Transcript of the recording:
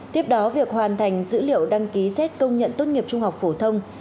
tiếp đó việc hoàn thành dữ liệu đăng ký xét công nhận tốt nghiệp trung học phổ thông